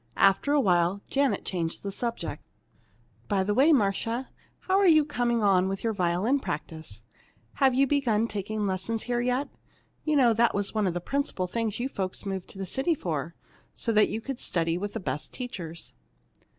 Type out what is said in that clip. After a while, Janet changed the subject. "By the way, Marcia, how are you coming on with your violin practice? Have you begun taking lessons here yet? You know that was one of the principal things you folks moved to the city for, so that you could study with the best teachers."